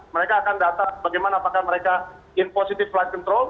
mereka akan data bagaimana apakah mereka in positive flight control